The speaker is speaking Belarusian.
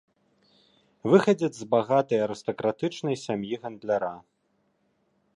Выхадзец з багатай арыстакратычнай сям'і гандляра.